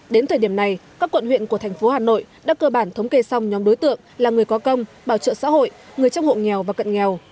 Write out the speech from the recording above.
đến thời điểm này các quận huyện của thành phố hà nội đã cơ bản thống kê xong nhóm đối tượng là người có công bảo trợ xã hội người trong hộ nghèo và cận nghèo